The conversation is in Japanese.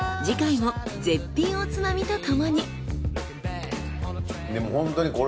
次回も絶品おつまみとともに。